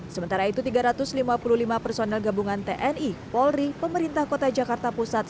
sementara itu tiga ratus lima puluh lima personel gabungan tni polri pemerintah kota jakarta pusat